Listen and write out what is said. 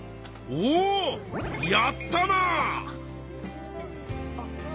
おやったな！